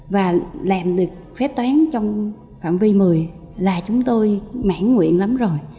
và làm được phép toán trong phạm vi một mươi là chúng tôi mãn nguyện lắm rồi